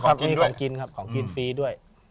ก็มีของกินครับของกินฟรีด้วย